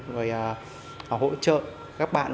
và hỗ trợ các bạn